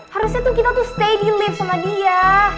harusnya tuh kita tuh stay lift sama dia